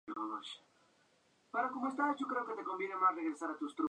Incorpora una leva detrás del volante que permite regular el freno regenerativo a demanda.